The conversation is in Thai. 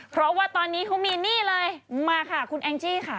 เพราะว่าตอนนี้เขามีนี่เลยมาค่ะคุณแองจี้ค่ะ